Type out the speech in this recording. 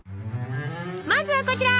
まずはこちら！